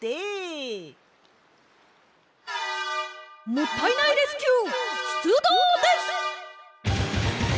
もったいないレスキューしゅつどうです！